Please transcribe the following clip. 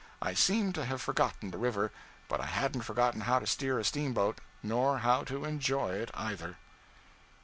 I seemed to have forgotten the river, but I hadn't forgotten how to steer a steamboat, nor how to enjoy it, either.